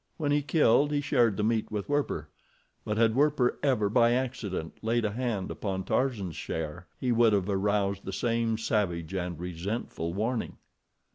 When he killed he shared the meat with Werper; but had Werper ever, by accident, laid a hand upon Tarzan's share, he would have aroused the same savage, and resentful warning.